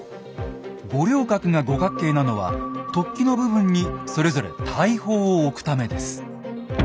五稜郭が五角形なのは突起の部分にそれぞれ大砲を置くためです。